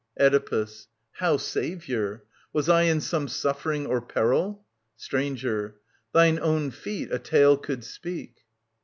Oedipus. How saviour ? Was I in some suffering Or peril ? Stranger. Thine own feet a tale could speak.